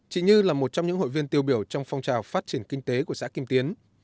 chị như là một trong những hội viên tiêu biểu trong phong trào phát triển kinh tế của xã kim tiến